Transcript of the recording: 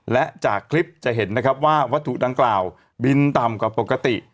และจากคลิปจะเห็นนะครับว่าวัตถุดังกล่าวบินต่ำกว่าปกติ